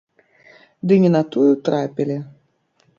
Ды не на тую трапілі.